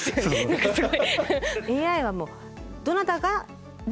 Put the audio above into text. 何かすごい。